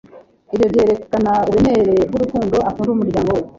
Ibyo byerekana uburemere bwurukundo akunda umuryango we.